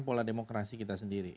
pola demokrasi kita sendiri